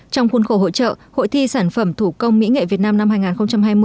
trong khuôn khổ hội trợ hội thi sản phẩm thủ công mỹ nghệ việt nam năm hai nghìn hai mươi